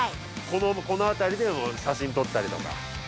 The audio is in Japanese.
◆この辺りで写真を撮ったりとか。